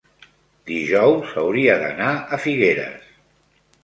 dijous hauria d'anar a Figueres.